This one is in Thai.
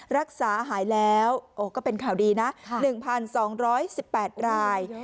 รักษาหายแล้วก็เป็นข่าวดีนะ๑๒๑๘ราย